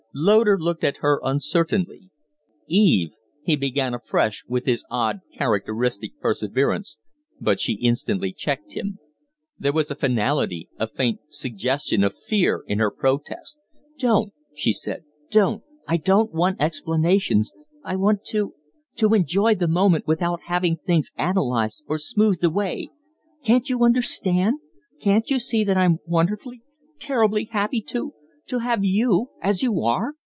Loder looked at her uncertainly. "Eve " he began afresh with his odd, characteristic perseverance, but she instantly checked him. There was a finality, a faint suggestion of fear, in her protest. "Don't!" she said. "Don't! I don't want explanations. I want to to enjoy the moment without having things analyzed or smoothed away. Can't you understand? Can't you see that I'm wonderfully, terribly happy to to have you as you are!"